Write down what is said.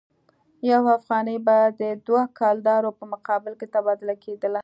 یو افغانۍ به د دوه کلدارو په مقابل کې تبادله کېدله.